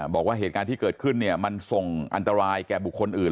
บอกว่าเหตุการณ์ที่เกิดขึ้นมันส่งอันตรายแก่บุคคลอื่น